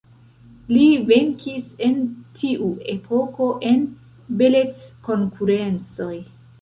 Li venkis en tiu epoko en beleckonkurencoj.